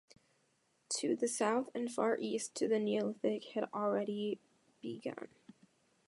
To the south and far east the Neolithic had already begun.